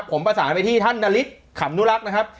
ผมประสานไปที่ท่านนฤทธิ์ขำนุรักษ์นะครับ